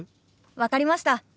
分かりました。